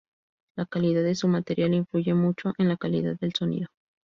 La calidad de su material influye mucho en la calidad del sonido.